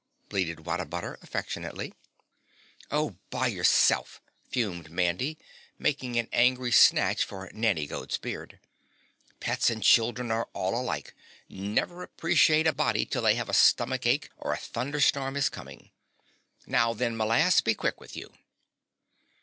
"Bah ah ah ahhhhhhhhhh!" bleated What a butter affectionately. "Oh 'Bah' yourself!" fumed Mandy, making an angry snatch for the Nanny Goat's beard. "Pets and children are all alike never appreciate a body till they have a stomach ache, or a thunder storm is coming. Now then, m'lass, be quick with you!"